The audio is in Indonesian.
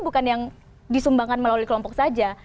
bukan yang disumbangkan melalui kelompok saja